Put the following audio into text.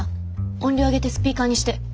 音量上げてスピーカーにして。